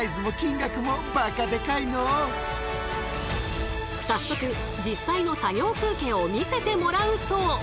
早速実際の作業風景を見せてもらうと。